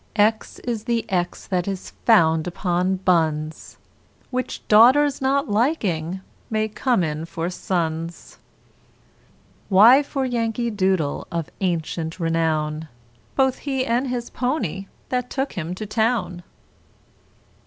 X is the X that is found upon buns, Which, daughters not liking, may come in for sons. Y for Yankee Doodle of ancient renown, Both he & his pony that took him to town.